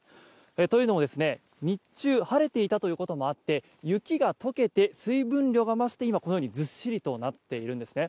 というのも、日中晴れていたということもあって雪が解けて水分量が増して今、このようにずっしりとなっているんですね。